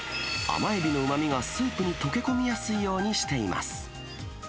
甘エビのうまみがスープに溶け込みやすいようにしています。